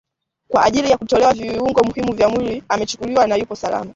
kwa ajili ya kutolewa viungo muhimu vya mwili amechukuliwa na yupo salama